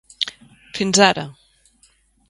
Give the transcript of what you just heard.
-, fins ara.